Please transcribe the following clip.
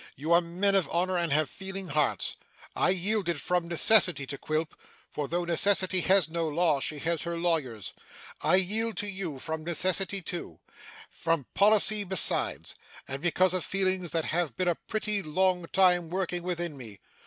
You are men of honour, and have feeling hearts. I yielded from necessity to Quilp, for though necessity has no law, she has her lawyers. I yield to you from necessity too; from policy besides; and because of feelings that have been a pretty long time working within me.